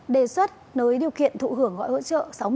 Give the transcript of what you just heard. đề xuất nới điều kiện thụ hưởng gói hỗ trợ